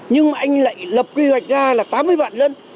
nhưng anh lại lập quy hoạch ra là tám mươi vạn dân